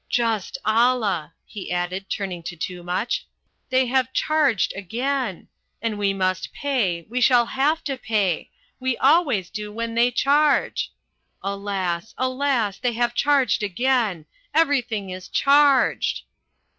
Just Allah!" he added, turning to Toomuch. "They have charged again! And we must pay, we shall have to pay we always do when they charge. Alas, alas, they have charged again. Everything is charged!"